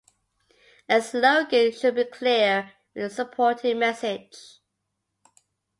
A slogan should be clear with a supporting message.